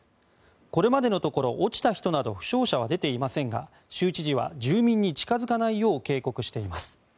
これまでのところ落ちた人など負傷者は出ていませんが州知事は住民に近付かないよう警告しています。